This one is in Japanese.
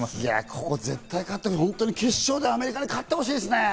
ここ絶対勝って、決勝でアメリカに勝ってほしい。